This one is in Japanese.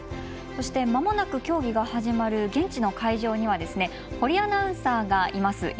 まもなく競技が始まる現地の会場には堀アナウンサーがいます。